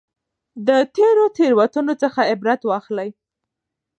د تېرو تېروتنو څخه عبرت واخلئ.